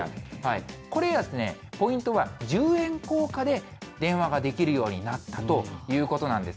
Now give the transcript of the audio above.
これは、ポイントは十円硬貨で電話ができるようになったということなんです。